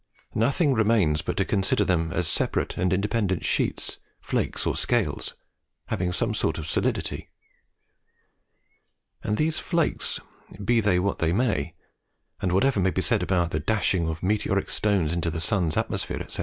Nothing remains but to consider them as separate and independent sheets, flakes, or scales, having some sort of solidity. And these flakes, be they what they may, and whatever may be said about the dashing of meteoric stones into the sun's atmosphere, &c.